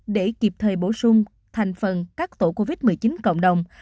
để kịp thời bổ sung thành phần các tổ covid một mươi chín cộng đồng